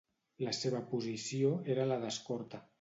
La seva posició era la d'escorta.